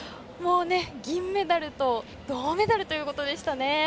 銀メダルと銅メダルということでしたね。